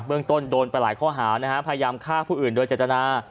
เรื่องต้นโดนไปหลายข้อหานะฮะพยายามฆ่าผู้อื่นโดยเจตนา